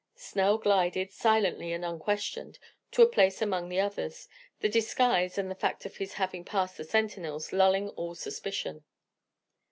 Snell glided, silently and unquestioned, to a place among the others, the disguise and the fact of his having passed the sentinels, lulling all suspicion.